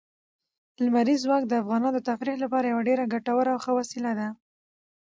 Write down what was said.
لمریز ځواک د افغانانو د تفریح لپاره یوه ډېره ګټوره او ښه وسیله ده.